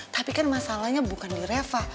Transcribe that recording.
tapi kan masalahnya bukan di reva